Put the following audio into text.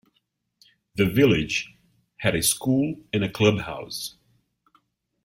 The village had a school and clubhouse.